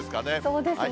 そうですね。